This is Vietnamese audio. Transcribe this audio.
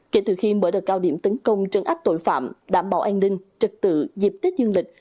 kể từ khi mở đợt cao điểm tấn công trấn áp tội phạm đảm bảo an ninh trật tự dịp tết dương lịch